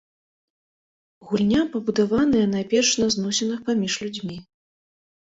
Гульня пабудаваная найперш на зносінах паміж людзьмі.